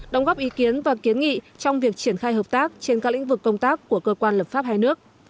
đóng góp ý kiến và kiến nghị trong việc triển khai hợp tác trên các lĩnh vực công tác của cơ quan lập pháp hai nước